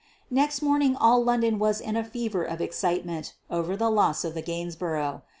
Next morning all London was in a fever of excite ment over the loss of the Gainsborough.